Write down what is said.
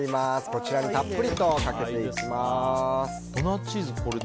こちらにたっぷりとかけていきます。